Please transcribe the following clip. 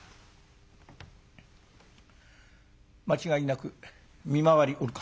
「間違いなく見回りおるか」。